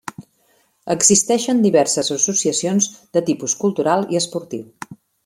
Existeixen diverses associacions de tipus cultural i esportiu.